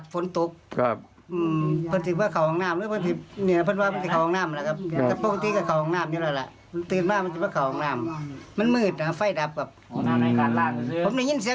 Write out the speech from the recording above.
โหลงเครงไป